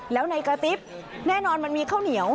แล้วในกระติ๊บแน่นอนมันมีข้าวเหนียว